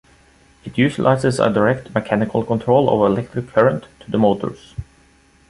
It utilizes a direct mechanical control of electric current to the motors.